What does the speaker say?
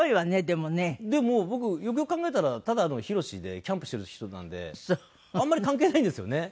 でも僕よくよく考えたらただの「ヒロシ」でキャンプしてる人なんであんまり関係ないんですよね。